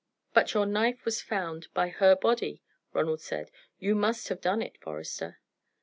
"But your knife was found by her body," Ronald said. "You must have done it, Forester."